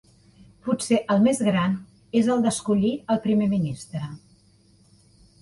Potser el més gran és el d'escollir el primer ministre.